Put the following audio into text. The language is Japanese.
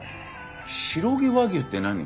白毛和牛って何？